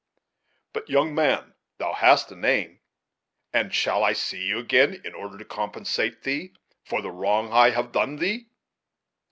But, young man thou hast a name, and I shall see you again, in order to compensate thee for the wrong I have done thee?"